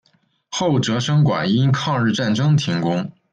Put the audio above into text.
后哲生馆因抗日战争停工。